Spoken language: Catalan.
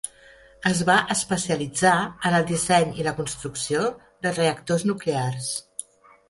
Es va especialitzar en el disseny i la construcció de reactors nuclears.